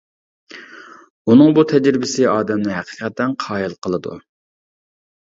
ئۇنىڭ بۇ تەجرىبىسى ئادەمنى ھەقىقەتەن قايىل قىلىدۇ.